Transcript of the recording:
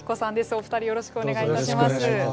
お二人よろしくお願いいたします。